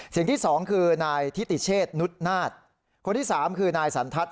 เสียงที่๒คือนายทิติเชษนุทนาฏคนที่๓คือนายสรรทัศน์